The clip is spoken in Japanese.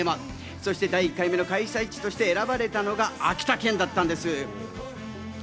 そして第１回目の開催地として選ばれたのが秋田県だったんです。